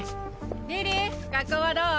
リリー学校はどう？